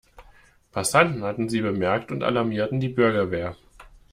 Passanten hatten sie bemerkt und alarmierten die Bürgerwehr.